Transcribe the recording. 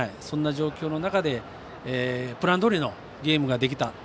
そんな状況の中でプランどおりのゲームができた。